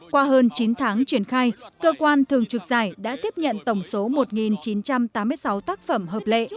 qua hơn chín tháng triển khai cơ quan thường trực giải đã tiếp nhận tổng số một chín trăm tám mươi sáu tác phẩm hợp lệ